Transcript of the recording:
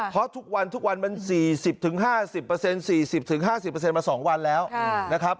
เพราะทุกวันมัน๔๐๕๐มา๒วันแล้วนะครับ